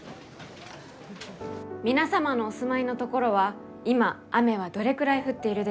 皆様のお住まいの所は今雨はどれくらい降っているでしょうか？